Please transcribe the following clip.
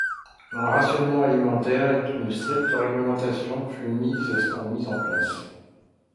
Un rationnement alimentaire et une stricte réglementation fut mise en place.